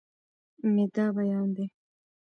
مې دا بيان دی